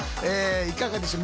いかがでしょう？